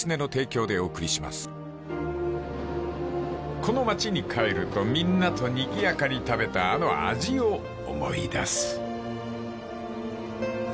［この町に帰るとみんなとにぎやかに食べたあの味を思い出す］